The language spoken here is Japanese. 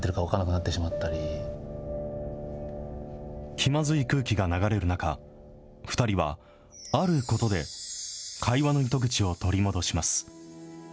気まずい空気が流れる中、２人はあることで、会話の糸口を取り戻します。